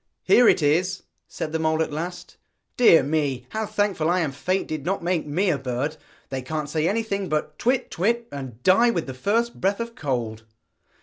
'Here it is,' said the mole at last; 'dear me, how thankful I am Fate did not make me a bird. They can't say anything but "twit, twit," and die with the first breath of cold.'